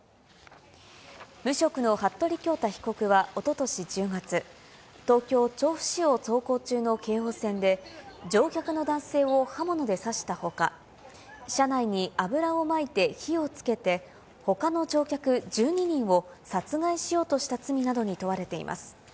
無職の服部恭太被告はおととし１０月、東京・調布市を走行中の京王線で、乗客の男性を刃物で刺したほか、車内に油をまいて火をつけて、ほかの乗客１２人を殺害しようとした罪などに問われています。